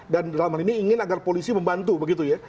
dan dalam hal ini ingin agar polisi membantu begitu ya